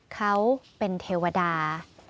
เขาเป็นเทวดา